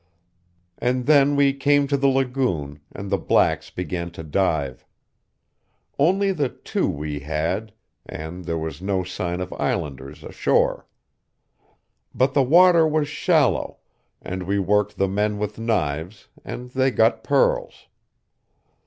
"And then we came to the lagoon, and the blacks began to dive. Only the two we had; and there was no sign of Islanders, ashore. But the water was shallow, and we worked the men with knives, and they got pearls.